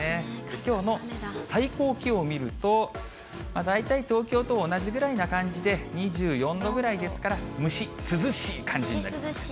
きょうの最高気温を見ると、大体東京と同じぐらいな感じで、２４度ぐらいですから、蒸し涼しい感じになりそうです。